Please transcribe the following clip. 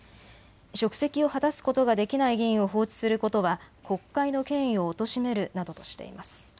職責を果たすことができない議員を放置することは国会の権威をおとしめるなどとしています。